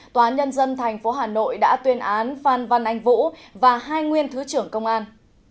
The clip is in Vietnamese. tòa nhân dân tp hà nội đã tuyên án phan văn anh vũ và hai nguyên thứ trưởng công an